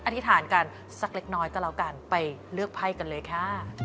อธิษฐานกันสักเล็กน้อยก็แล้วกันไปเลือกไพ่กันเลยค่ะ